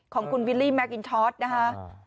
ของคุณวิลลี่แมคอินชอตนะคะ